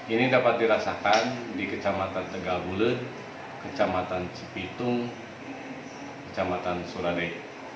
ini dapat dirasakan di kecamatan tegal bulut kecamatan cepitung kecamatan suradek